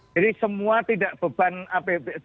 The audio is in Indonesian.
jadi semua tidak beban apb